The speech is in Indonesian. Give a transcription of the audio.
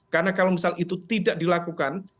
karena kalau misalnya itu tidak dilakukan